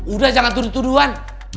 udah jangan tuduh tuduhan